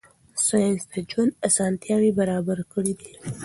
ساینس د ژوند اسانتیاوې برابرې کړې دي.